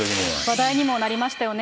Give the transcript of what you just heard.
話題にもなりましたよね。